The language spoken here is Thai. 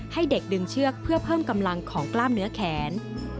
ให้เด็กดึงเชือกเพื่อเพิ่มกำลังของกล้ามเนื้อแขน